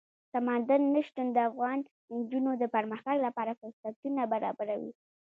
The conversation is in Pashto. سمندر نه شتون د افغان نجونو د پرمختګ لپاره فرصتونه برابروي.